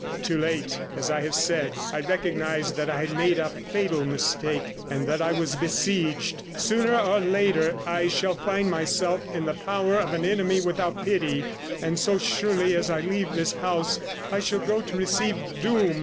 Too late, as I have said, I recognized that I had made a fatal mistake, and that I was besieged. Sooner or later I shall find myself in the power of an enemy without pity; and so surely as I leave this house I shall go to receive doom.